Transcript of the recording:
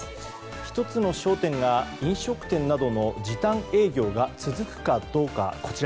１つの焦点は飲食店などの時短営業が続くかどうか。